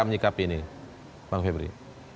menyikapi ini bang febri